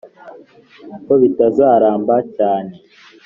ko bitazaramba cyane